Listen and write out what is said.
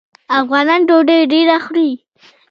افغانان ډوډۍ ډیره خوري.